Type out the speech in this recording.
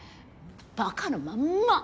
バカのまんま！